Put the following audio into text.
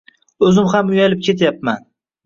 Oʻzim ham uyalib ketyapman